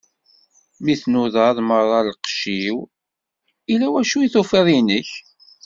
Mi tnudaḍ meṛṛa lqecc-iw, illa wacu i tufiḍ inek?